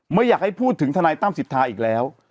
ไม่อยากให้พูดถึงทนายตั้มสิทธาอีกแล้ว